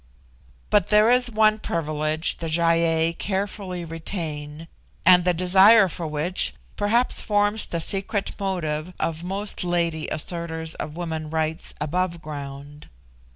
But there is one privilege the Gy ei carefully retain, and the desire for which perhaps forms the secret motive of most lady asserters of woman rights above ground.